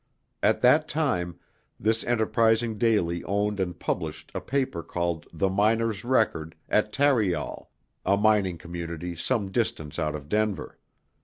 At that time, this enterprising daily owned and published a paper called the Miner's Record at Tarryall, a mining community some distance out of Denver.